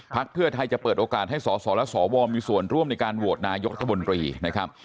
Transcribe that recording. เพื่อไทยจะเปิดโอกาสให้สสและสวมีส่วนร่วมในการโหวตนายกรัฐมนตรีนะครับ